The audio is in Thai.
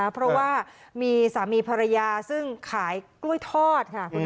เพราะว่ามีสามีภรรยาซึ่งขายกล้วยทอดค่ะ